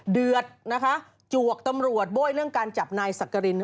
เดือดนะคะจวกตำรวจโบ้ยเรื่องการจับนายสักกริน